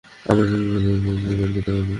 আমি জানি কিভাবে ওদের খুঁজে বের করতে হবে।